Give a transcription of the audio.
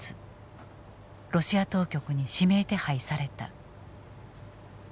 ロシア当局に指名手配された。